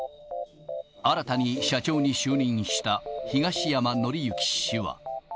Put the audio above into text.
新たに社長に就任した東山紀之氏は。